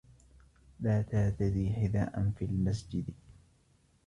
لا ترتدِ حذاءا في المسجد.